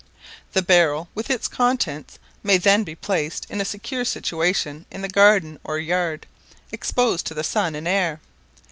The barrel with its contents may then be placed in a secure situation in the garden or yard, exposed to the sun and air.